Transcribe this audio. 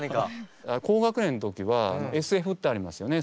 高学年の時はＳＦってありますよね。